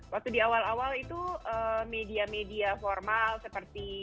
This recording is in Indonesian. waktu di awal awal itu media media formal seperti